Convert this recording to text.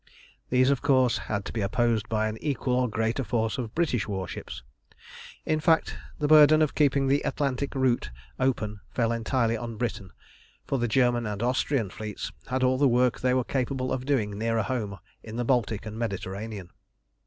These, of course, had to be opposed by an equal or greater force of British warships. In fact, the burden of keeping the Atlantic route open fell entirely on Britain, for the German and Austrian fleets had all the work they were capable of doing nearer home in the Baltic and Mediterranean.